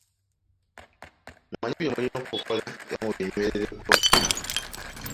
Mumanye bye mulina okukola era mubinywerereko.